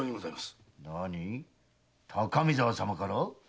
何⁉高見沢様から？